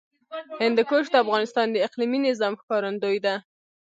هندوکش د افغانستان د اقلیمي نظام ښکارندوی ده.